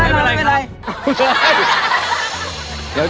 โอ้โหไม่เป็นไรไม่เป็นไร